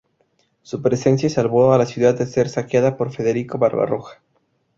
Su presencia salvó a la ciudad de ser saqueada por Federico Barbarroja.